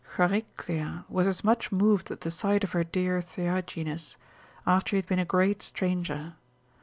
Chariclia was as much moved at the sight of her dear Theagines, after he had been a great stranger.